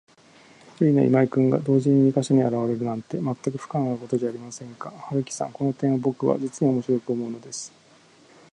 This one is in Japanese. ひとりの今井君が、同時に二ヵ所にあらわれるなんて、まったく不可能なことじゃありませんか。春木さん、この点をぼくは、じつにおもしろく思うのです。